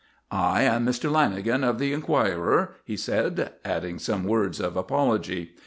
"I am Mr. Lanagan of the Enquirer," he said, adding some words of apology.